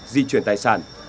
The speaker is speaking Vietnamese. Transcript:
di chuyển tài sản